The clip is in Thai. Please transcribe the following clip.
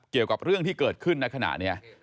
เกี่ยวกับเรื่องที่เกิดขึ้นในขณะนี้